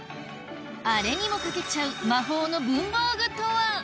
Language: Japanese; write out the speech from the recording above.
あれにも描けちゃう魔法の文房具とは？